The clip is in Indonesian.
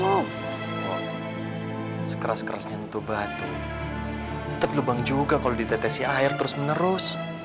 wah sekeras kerasnya itu batu tetap lubang juga kalau dideteksi air terus menerus